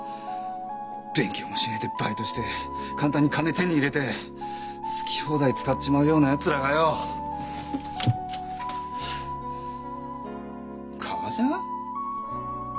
勉強もしねえでバイトして簡単に金手に入れて好き放題使っちまうようなやつらがよ！革ジャン？